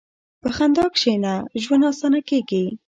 په خندا کښېنه، ژوند اسانه کېږي.